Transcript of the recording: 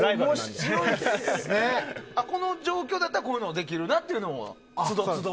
この状況だったらこういうのができるなっていうのが都度都度。